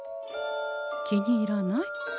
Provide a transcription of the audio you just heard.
気に入らない？